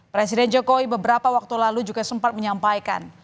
presiden jokowi beberapa waktu lalu juga sempat menyampaikan